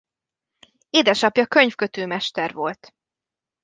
Édesapja könyvkötő-mester volt.